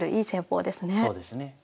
そうですね。